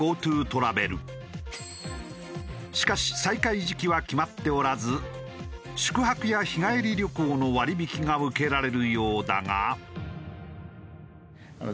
しかし再開時期は決まっておらず宿泊や日帰り旅行の割り引きが受けられるようだが。